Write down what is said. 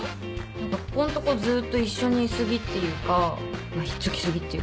何かここんとこずっと一緒にい過ぎっていうかまっひっつき過ぎっていうか。